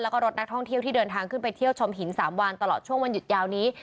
แล้วก็รถนักท่องเที่ยวที่เดินทางขึ้นไปเที่ยวชมหิน๓วันตลอดช่วงวันหยุดยาวนี้